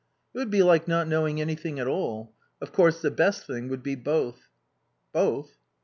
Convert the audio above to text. "It would be like not knowing anything at all ... Of course, the best thing would be both." "Both?"